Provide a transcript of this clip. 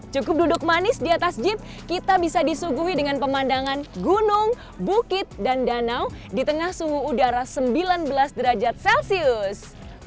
cukup duduk manis di atas jeep kita bisa disuguhi dengan pemandangan gunung bukit dan danau di tengah suhu udara sembilan belas derajat celcius